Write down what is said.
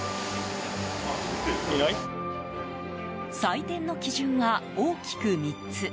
採点の基準は、大きく３つ。